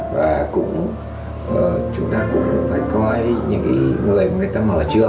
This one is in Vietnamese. và chúng ta cũng phải coi những người mà người ta mở trường